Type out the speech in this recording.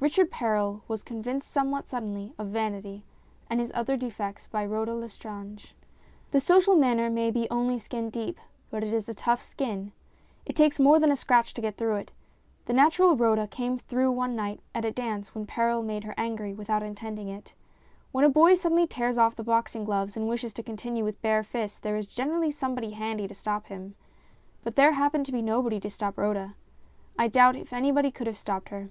Richard Perral was convinced somewhat suddenly of vanity and his other defects by Rhoda Lestrange. The social manner may be only skin deep, but it is a tough skin. It takes more than a scratch to get through it. The natural Rhoda came through one night at a dance when Perral made her angry without intending it. When a boy suddenly tears off the boxing gloves and wishes to continue with bare fists, there is generally somebody handy to stop him. But there happened to be nobody to stop Rhoda I doubt if anybody could have stopped her.